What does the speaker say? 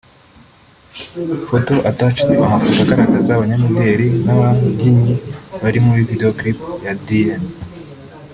photos attached (amafoto agaragaza abanyamideli naba byinnyi bari muri video clip ya Diyen)